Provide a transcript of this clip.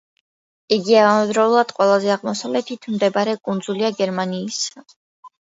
იგი ამავდროულად ყველაზე აღმოსავლეთით მდებარე კუნძულია გერმანიისა.